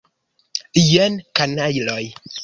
Jen, kanajloj!